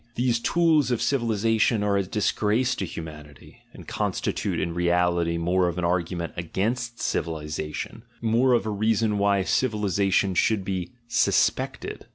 These "GOOD AND EVIL," "GOOD AND BAD" 25 "tools of civilisation" are a disgrace to humanity, and constitute in reality more of an argument against civili sation, more of a reason why civilisation should be sus pected.